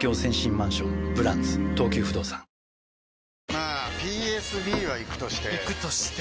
まあＰＳＢはイクとしてイクとして？